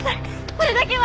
それだけは。